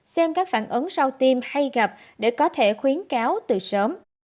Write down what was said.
xem các phản ứng sau tim hay gặp để có thể khuyến cáo từ sớm